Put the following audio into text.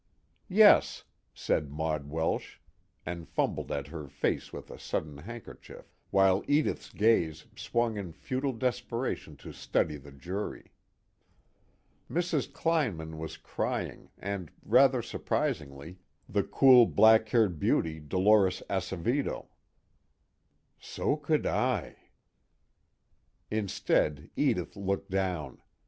"Yes," said Maud Welsh, and fumbled at her face with a sodden handkerchief, while Edith's gaze swung in futile desperation to study the jury. Mrs. Kleinman was crying and, rather surprisingly, the cool black haired beauty Dolores Acevedo. So could I. Instead, Edith looked down.